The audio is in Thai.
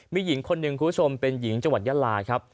มีหญิงคนหนึ่งคุณผู้ชมเป็นหญิงจังหวัดยาลาครับ